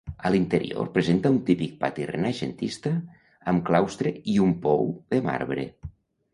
A l'interior presenta un típic pati renaixentista amb claustre i un pou de marbre.